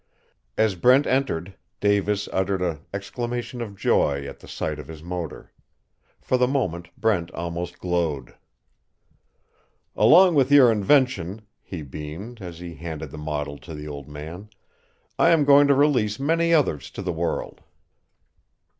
As Brent entered, Davis uttered an exclamation of joy at the sight of his motor. For the moment Brent almost glowed. "Along with your invention," he beamed, as he handed the model to the old man, "I am going to release many others to the world."